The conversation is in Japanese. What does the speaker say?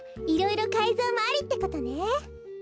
いろいろかいぞうもありってことね。